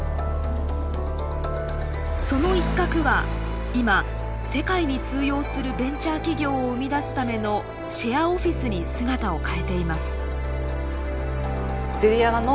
その一角は今世界に通用するベンチャー企業を生み出すためのシェアオフィスに姿を変えています。